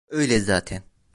Öyle zaten.